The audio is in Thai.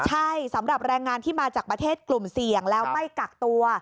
ใช่สำหรับแรงงานที่มาจากประเทศกลุ่มเสี่ยงแล้วไม่กักตัว